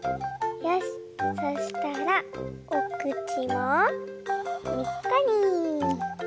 しそしたらおくちをにっこり。